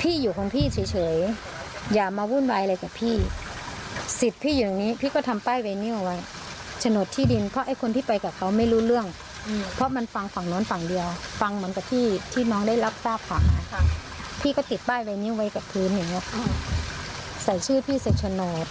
พี่ก็ติดใบนี้ไว้กับพื้นเนี่ยใส่ชื่อพี่เศรษฐนดร์